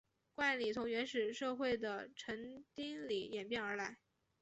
冠礼从原始社会的成丁礼演变而来。